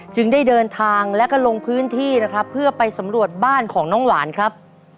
จึงได้เดินทางแล้วก็ลงพื้นที่นะครับเพื่อไปสำรวจบ้านของน้องหวานครับ